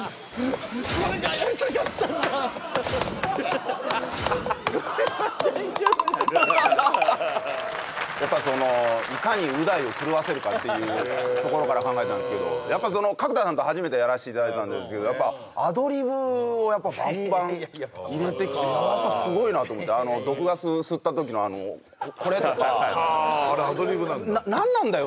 これがやりたかったんだやっぱそのいかにう大を狂わせるかっていうところから考えたんですけどやっぱその角田さんと初めてやらせていただいたんですけどアドリブをやっぱバンバン入れてきてすごいなと思って毒ガス吸った時のあのこれとか・あああれアドリブなんだ何なんだよ